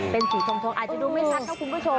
เป็นสีทองอาจจะดูไม่ชัดนะคุณผู้ชม